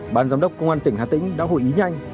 ban giám đốc công an tỉnh hà tĩnh đã hội ý nhanh